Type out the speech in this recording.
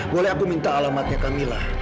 boleh aku minta alamatnya kamilah